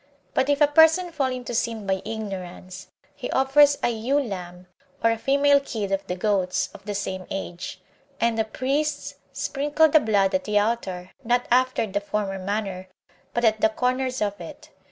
But if a person fall into sin by ignorance, he offers an ewe lamb, or a female kid of the goats, of the same age; and the priests sprinkle the blood at the altar, not after the former manner, but at the corners of it.